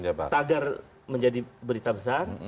jadi tagar menjadi berita besar